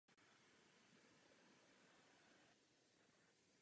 Mongolové svou taktikou dokázali oddělit evropské jezdce od pěchoty.